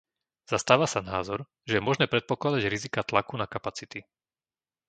Zastáva sa názor, že je možné predpokladať riziká tlaku na kapacity.